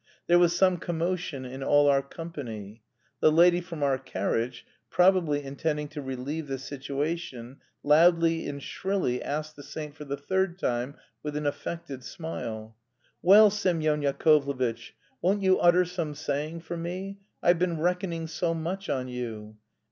There was some commotion in all our company. The lady from our carriage, probably intending to relieve the situation, loudly and shrilly asked the saint for the third time, with an affected smile: "Well, Semyon Yakovlevitch, won't you utter some saying for me? I've been reckoning so much on you."